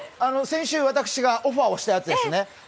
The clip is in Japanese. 先週、私がオファーをしたやつですね。